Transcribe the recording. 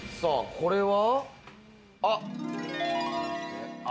これは。